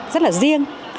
rất là riêng